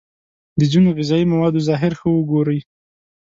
د ځینو غذايي موادو ظاهر ښه وگورئ.